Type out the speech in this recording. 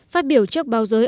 phát biểu trước báo giới